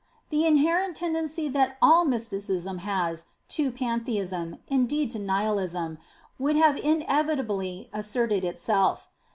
The inherent tendency that all Mysticism has to Pantheism, indeed to Nihilism, would have inevitably asserted itself.